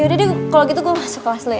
yaudah deh kalo gitu gue masuk kelas dulu ya